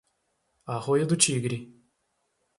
Arroio do Tigre